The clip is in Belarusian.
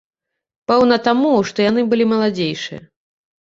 Пэўна, таму, што яны былі маладзейшыя.